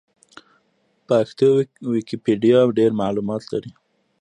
پښتو ويکيپېډيا ډېر معلومات لري.